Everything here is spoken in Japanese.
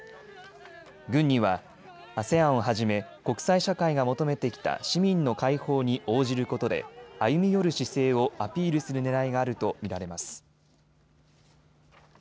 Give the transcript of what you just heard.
軍にはＡＳＥＡＮをはじめ国際社会が求めてきた市民の解放に応じることで歩み寄る姿勢をアピールするねらいがあると見られます。